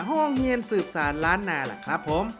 ห้องเฮียนสืบสารล้านนาล่ะครับผม